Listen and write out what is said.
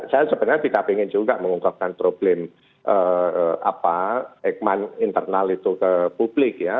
saya sebenarnya tidak ingin juga mengungkapkan problem ekman internal itu ke publik ya